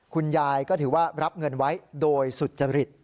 คุณยายก็ถือว่ารับเงินไว้โดยสุจริต